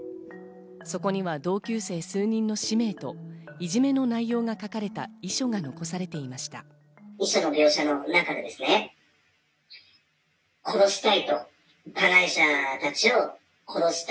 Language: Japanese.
そこには同級生数人の氏名といじめの内容が書かれた遺書が残されていました。